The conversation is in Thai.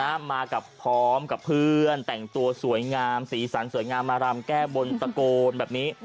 มากับพร้อมกับเพื่อนแต่งตัวสวยงามสีสันสวยงามมารำแก้บนตะโกนแบบนี้